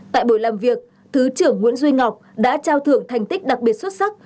tại buổi làm việc thứ trưởng nguyễn duy ngọc đã trao thưởng thành tích đặc biệt xuất sắc